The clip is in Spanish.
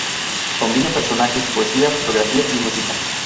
Combina personajes, poesía, fotografía y música.